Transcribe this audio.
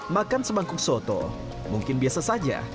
makan semangkuk soto mungkin biasa saja